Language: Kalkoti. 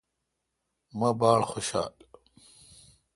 مہ باڑخوشال۔